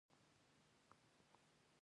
مجازات د څه لپاره دي؟